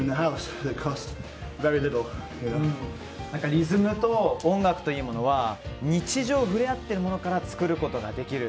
リズムと音楽というものは日常、触れ合ってるものから作ることができる。